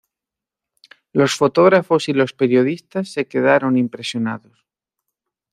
Los fotógrafos y los periodistas se quedaron impresionados.